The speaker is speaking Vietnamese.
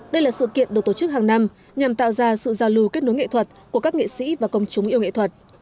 đây là sự kiện được tổ chức hàng năm nhằm tạo ra sự giao lưu kết nối nghệ thuật của các nghệ sĩ và công chúng yêu nghệ thuật